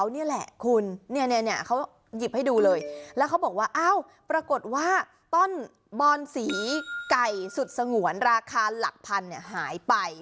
นี่แหละคุณเนี่ยเขาหยิบให้ดูเลยแล้วเขาบอกว่าอ้าวปรากฏว่าต้นบอนสีไก่สุดสงวนราคาหลักพันเนี่ยหายไป